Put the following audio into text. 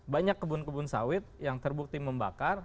banyak kebun kebun sawit yang terbukti membakar